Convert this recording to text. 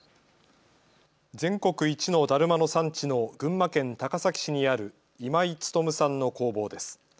全国一のだるまの産地の群馬県高崎市にある今井勤さんの工房です。